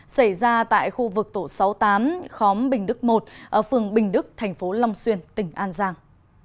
xảy ra tại khu vực tổ sáu mươi tám khóm bình đức một phường bình đức thành phố long xuyên tỉnh an giang